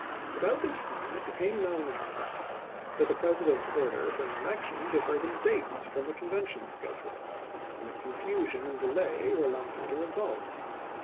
About this time it be came known in Arkansas that the President's order for an election differed in date from the Convention schedule ; and that confusion and delay were likely to result.